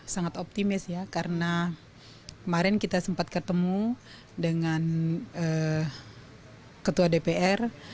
sangat optimis ya karena kemarin kita sempat ketemu dengan ketua dpr